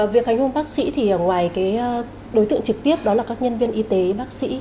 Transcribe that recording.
việc hành hùng bác sĩ thì ở ngoài cái đối tượng trực tiếp đó là các nhân viên y tế bác sĩ